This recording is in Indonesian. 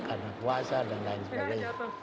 anak puasa dan lain sebagainya